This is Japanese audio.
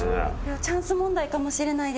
チャンス問題かもしれないですね。